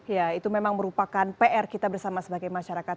ya itu memang merupakan pr kita bersama sebagai masyarakat